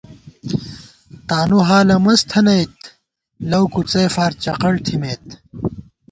تانُو حالہ مست تھنَئیت لَؤ کُڅئے فار چقڑ تھِمېت